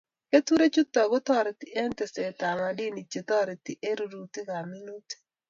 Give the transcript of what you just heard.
Keturek chutok ko tareti eng' teset ab madini che tareti eng' rutunet ab minutik